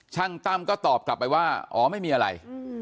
ตั้มก็ตอบกลับไปว่าอ๋อไม่มีอะไร